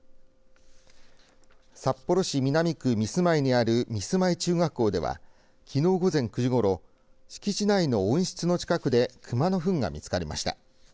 札幌市南区簾舞にある簾舞中学校ではきのう午前９時ごろ敷地内の温室の近くで熊のふんが見つかりました。